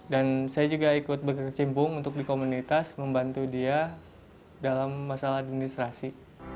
dan saya juga ikut berkecimpung untuk di komunitas membantu dia dalam masalah administrasi